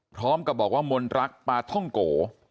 พร้อมกับบอกว่ามนต์รักปาท่องโก